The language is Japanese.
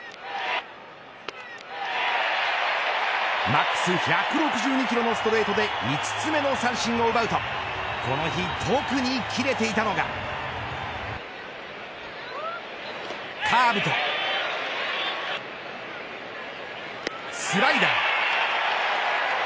マックス１６２キロのストレートで５つ目の三振を奪うとこの日特にきれていたのがカーブとスライダー。